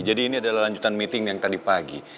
jadi ini adalah lanjutan meeting yang tadi pagi